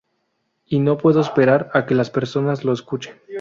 Y no puedo esperar a que las personas lo escuchen.